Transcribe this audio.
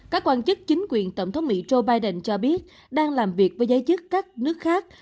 các quan chức chính quyền tổng thống mỹ joe biden cho biết đang làm việc với giới chức các nước khác